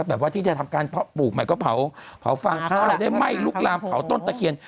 แบบว่าที่จะทำการปลูกใหม่ก็เผาฟางฟางแล้วได้ไหม้ลูกรามเผาต้นตะเคียน